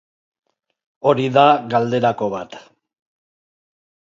Hori da galderako bat.